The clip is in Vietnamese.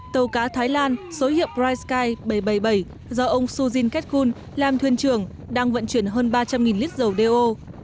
tàu cá thái lan số hiệp bright sky bảy trăm bảy mươi bảy do ông sujin ketkun làm thuyền trưởng đang vận chuyển hơn ba trăm linh lít dầu đeo ô